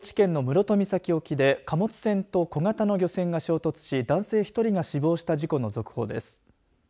きのう高知県の室戸岬沖で貨物船と小型の漁船が衝突し男性１人が死亡した事故の続報です。